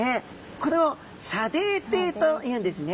これを砂泥底というんですね。